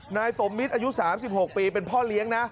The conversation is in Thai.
นายสมมิตรอายุ๓๖ปีเป็นพ่อเลี้ยงนะ